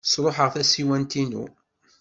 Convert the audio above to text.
Sṛuḥeɣ tasiwant-inu.